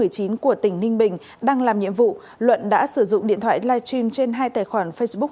của tỉnh ninh bình đang làm nhiệm vụ luận đã sử dụng điện thoại live stream trên hai tài khoản facebook